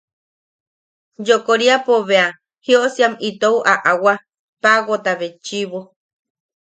Yokoriapo bea jiʼosiam itou aʼauwa pagota betchiʼibo.